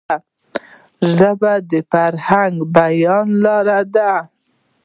ژبه د فکري بیان لار ده.